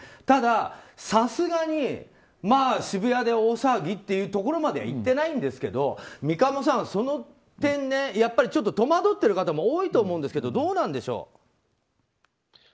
ただ、さすがに渋谷で大騒ぎというところまではいってないんですけど三鴨さん、その点やっぱり、戸惑ってる方も多いと思うんですけどどうなんでしょう。